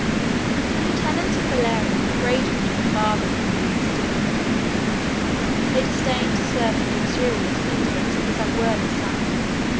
] The lieutenants of Valerian were grateful to the father, whom they esteemed. They disdained to serve the luxurious indolence of his unworthy son.